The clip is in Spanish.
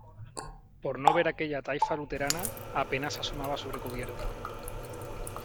por no ver aquella taifa luterana , apenas asomaba sobre cubierta .